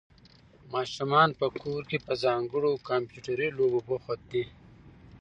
ماشومان په کور کې په ځانګړو کمپیوټري لوبو بوخت دي.